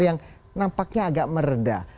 yang nampaknya agak meredah